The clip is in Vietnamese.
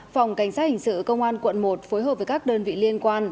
phòng cảnh sát hình sự công an quận một phối hợp với các đơn vị liên quan